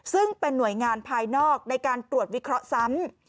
ซึ่งเป็นหน่วยงานภายนอกในการตรวจวิเคราะห์ซ้ำ